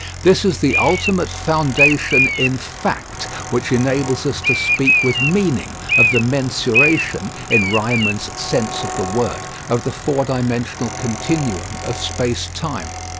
This is the ultimate foundation in fact which enables us to speak with meaning of the mensuration, in Riemann's sense of the word, of the four dimensional continuum of space time.